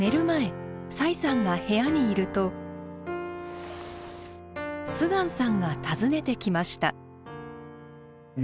前崔さんが部屋にいると秀光さんが訪ねてきました。